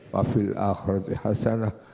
wa fil akhirati hasanah